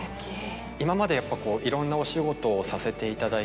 今までやっぱいろんなお仕事をさせていただいて。